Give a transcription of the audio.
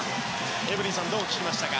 エブリンさんどう聞きましたか。